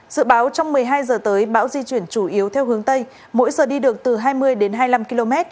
dự báo trong một mươi hai h tới bão di chuyển chủ yếu theo hướng tây mỗi giờ đi được từ hai mươi đến hai mươi năm km